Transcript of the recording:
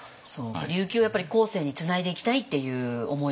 琉球をやっぱり後世につないでいきたいっていう思いが。